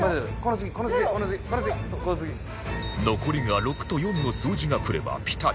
残りが６と４の数字がくればピタリ